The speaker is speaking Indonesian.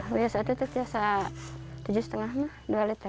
uyus itu itu tiga setengah dua liter